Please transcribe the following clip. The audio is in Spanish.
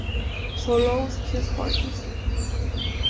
Solus quia fortis?".